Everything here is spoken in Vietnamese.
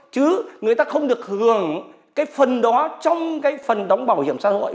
chứ người ta không được hưởng cái phần đó trong cái phần đóng bảo hiểm xã hội